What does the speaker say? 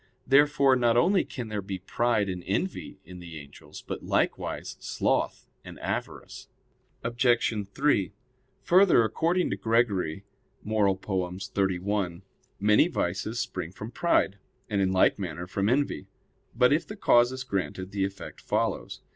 Therefore not only can there be pride and envy in the angels; but likewise sloth and avarice. Obj. 3: Further, according to Gregory (Moral. xxxi), many vices spring from pride; and in like manner from envy. But, if the cause is granted, the effect follows.